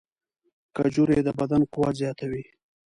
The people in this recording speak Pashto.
کجورې د بدن قوت زیاتوي.